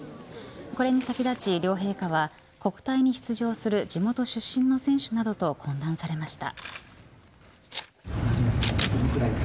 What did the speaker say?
これに先立ち両陛下は国体に出場する地元出身の選手などと懇談されました。